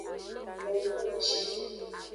Fofongci.